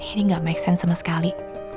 ini gak make sense sama sekali